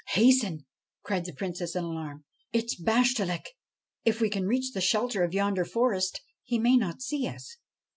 ' Hasten I ' cried the Princess in alarm ;' it is Bashtchelik. If we can reach the shelter of yonder forest he may not see us.'